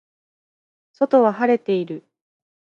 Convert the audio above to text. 外は晴れている